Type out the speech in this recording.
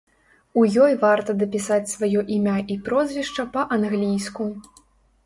У ёй варта дапісаць сваё імя і прозвішча па-англійску.